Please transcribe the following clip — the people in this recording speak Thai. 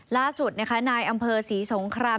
ล่าสุดนะคะนายอำเภอศรีสงคราม